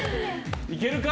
いけるか？